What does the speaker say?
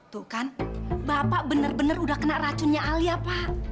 tuh kan bapak benar benar udah kena racunnya alia pak